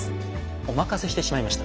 お任せしてしまいました。